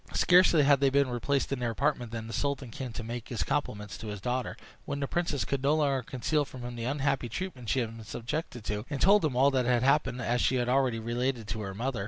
Scarcely had they been replaced in their apartment than the sultan came to make his compliments to his daughter, when the princess could no longer conceal from him the unhappy treatment she had been subjected to, and told him all that had happened, as she had already related it to her mother.